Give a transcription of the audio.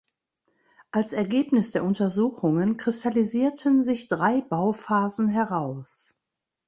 Als Ergebnis der Untersuchungen kristallisierten sich drei Bauphasen heraus.